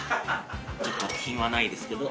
ちょっと品はないですけど。